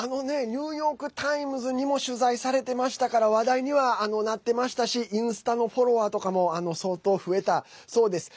ニューヨーク・タイムズにも取材されてましたから話題には、なってましたしインスタのフォロワーとかも相当、増えたそうです。